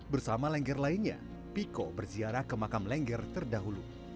bersama lengger lainnya piko berziarah ke makam lengger terdahulu